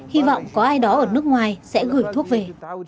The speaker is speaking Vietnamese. hy vọng có ai đó ở nước ngoài sẽ gửi thuốc về